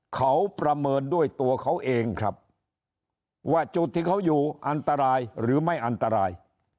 เขาประเมินด้วยตัวเขาเองครับว่าจุดที่เขาอยู่อันตรายหรือไม่อันตราย